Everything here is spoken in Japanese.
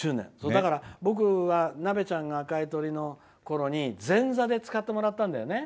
僕は、なべちゃんが赤い鳥のころに前座で使ってもらったんだよね。